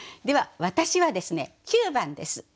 では私はですね９番です。